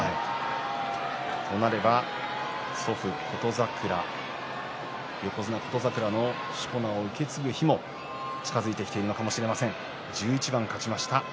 そうなれば祖父、琴櫻は横綱、琴櫻のしこ名を受け継ぐ日も近くなるかもしれません。